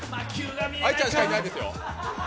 愛ちゃんしかいないですよ！